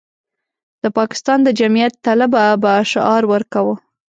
د پاکستان د جمعیت طلبه به شعار ورکاوه.